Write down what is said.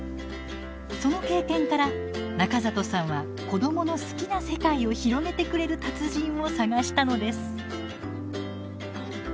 その経験から中里さんは子どもの好きな世界を広げてくれる達人を探したのです。